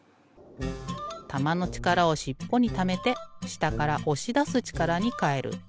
たまのちからをしっぽにためてしたからおしだすちからにかえる。